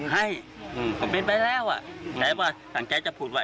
ให้ก็เป็นไปแล้วแต่ว่าสั่งใจจะพูดไว้